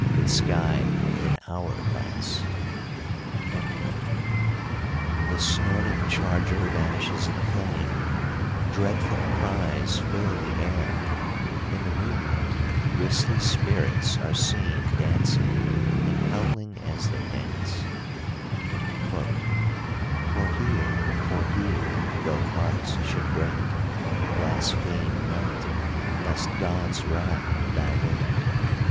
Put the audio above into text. With scythe and hour glass." The "snorting charger" vanishes in flame; dreadful cries fill the air; in the moonlight grisly spirits are seen dancing, and howling as they dance: "For hear! for hear! though hearts should break, Blaspheme not, lest God's wrath thou wake!